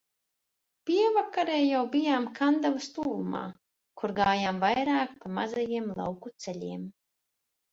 Pievakarē jau bijām Kandavas tuvumā, kur gājām vairāk pa mazajiem lauku ceļiem.